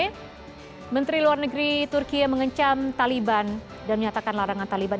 kementerian luar negeri turkiye mengecam taliban dan menyatakan larangan taliban